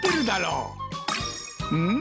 うん？